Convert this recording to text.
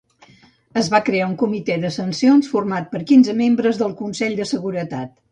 Es va crear un Comitè de sancions format pels quinze membres del Consell de Seguretat.